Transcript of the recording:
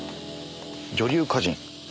女流歌人。